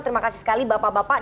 terima kasih sekali bapak bapak